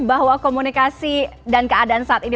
bahwa komunikasi dan keadaan saat ini